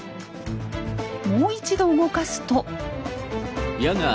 もう一度動かすと。